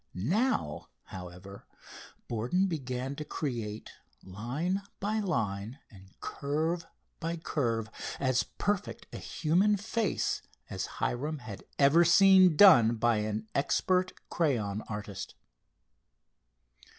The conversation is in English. Now, however, Borden began to create, line by line, and curve by curve, as perfect a human face as Hiram had even seen done by an expert crayon artist.